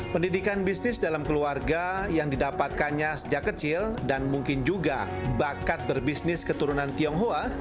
pendidikan bisnis dalam keluarga yang didapatkannya sejak kecil dan mungkin juga bakat berbisnis keturunan tionghoa